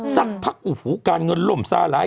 สักพักการเงินล่มสลาย